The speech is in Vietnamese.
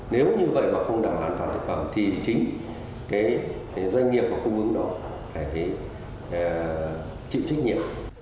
nếu như vậy mà không đảm bảo an toàn thực phẩm thì chính doanh nghiệp và cung ứng đó phải chịu trích nhiệm